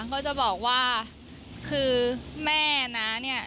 ก็จะบอกว่าคือแม่นะเนี่ย